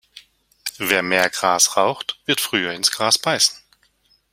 Wer mehr Gras raucht, wird früher ins Gras beißen.